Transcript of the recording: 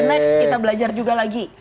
next kita belajar juga lagi